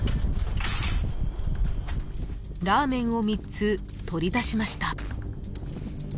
［ラーメンを３つ取り出しました］